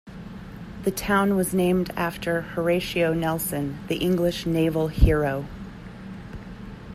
The town was named after Horatio Nelson, the English naval hero.